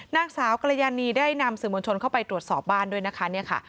นางสาวกรยานีได้นำสื่อมวลชนเข้าไปตรวจสอบบ้านด้วยนะคะเนี่ยค่ะ